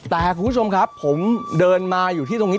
แต่คุณผู้ชมครับผมเดินมาอยู่ที่ตรงนี้